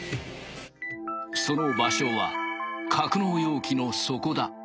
その場所は格納容器の底だ。